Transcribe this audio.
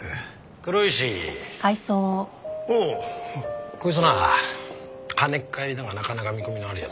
こいつな跳ねっ返りだがなかなか見込みのある奴だ。